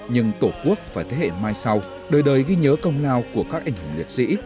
nhưng tổ quốc và thế hệ mai sau đời đời ghi nhớ công lao của các anh hùng liệt sĩ